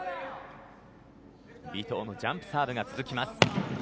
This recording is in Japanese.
尾藤のジャンプサーブが続きます。